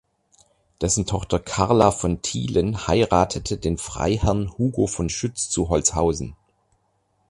Dessen Tochter Carla von Thielen heiratete den Freiherrn Hugo von Schütz zu Holzhausen.